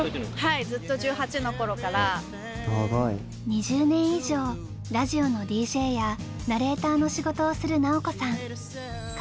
２０年以上ラジオのＤＪやナレーターの仕事をする尚子さん。